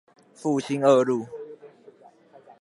復興二路